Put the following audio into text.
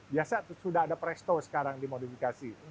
biasa sudah ada presto sekarang dimodifikasi